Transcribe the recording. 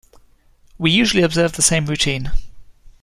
We usually observe the same routine.